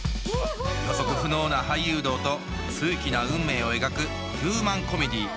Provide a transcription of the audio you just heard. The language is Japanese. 予測不能な俳優道と数奇な運命を描くヒューマンコメディー